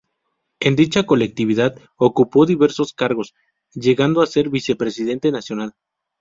En dicha colectividad ocupó diversos cargos, llegando a ser vicepresidente nacional.